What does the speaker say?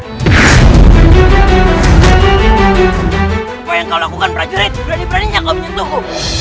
apa yang kau lakukan prajurit berani beraninya kau menyentuhku